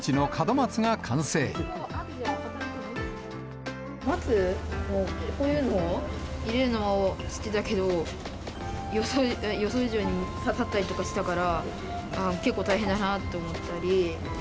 松、こういうのを入れるのを知ってたけど、予想以上に刺さったりとかしたから、結構大変だなと思ったり。